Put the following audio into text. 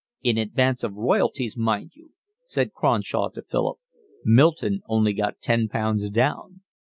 "In advance of royalties, mind you," said Cronshaw to Philip. "Milton only got ten pounds down."